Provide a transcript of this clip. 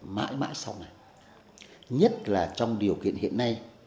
mãi mãi sau này nhất là trong điều kiện hiện nay